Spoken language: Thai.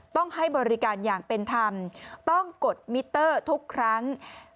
ต้องให้บริการอย่างเป็นธรรมต้องกดมิเตอร์ทุกครั้ง